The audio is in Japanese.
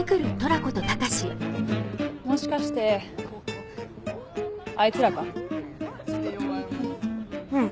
もしかしてあいつらか？うん。